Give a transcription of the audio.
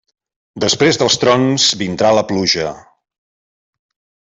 Després dels trons vindrà la pluja.